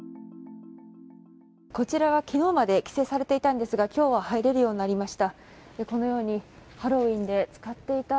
こちらは昨日まで規制されていたんですが、今日は入れるようになりました。